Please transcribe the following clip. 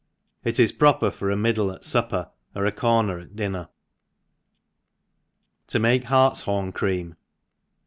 T—lt is proper for a middle at fupper, or a corner at dinner, 21? /;7tfi^ Hartshorn Cream.